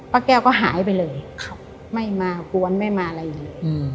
แก้วก็หายไปเลยไม่มากวนไม่มาอะไรเลย